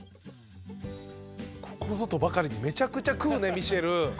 ここぞとばかりにめちゃくちゃ食うねミッシェル。